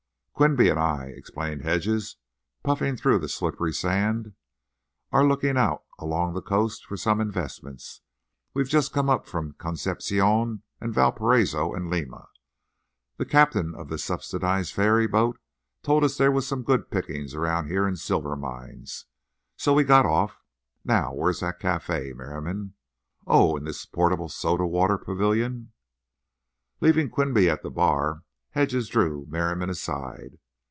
"Quinby and I," explained Hedges, puffing through the slippery sand, "are looking out along the coast for some investments. We've just come up from Concepción and Valparaiso and Lima. The captain of this subsidized ferry boat told us there was some good picking around here in silver mines. So we got off. Now, where is that café, Merriam? Oh, in this portable soda water pavilion?" Leaving Quinby at the bar, Hedges drew Merriam aside.